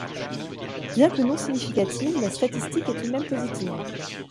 Bien que non significative, la statistique est tout de même positive.